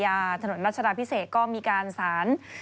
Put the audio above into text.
ที่ถนนรัชระพิเศษก็มีการศาล